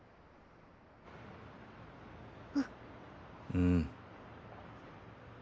うん。